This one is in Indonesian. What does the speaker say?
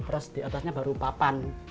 terus diatasnya baru papan